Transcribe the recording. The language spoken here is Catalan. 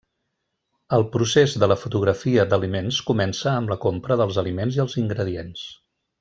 El procés de la fotografia d'aliments comença amb la compra dels aliments i els ingredients.